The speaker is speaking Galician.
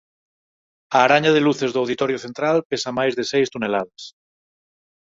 A araña de luces do auditorio central pesa máis de seis toneladas.